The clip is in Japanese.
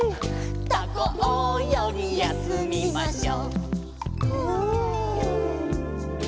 「タコおよぎやすみましょうフ」